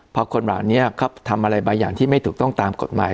พอคนเหล่านี้เขาทำอะไรบางอย่างที่ไม่ถูกต้องตามกฎหมาย